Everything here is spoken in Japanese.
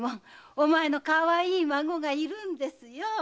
お前のかわいい孫がいるんですよ。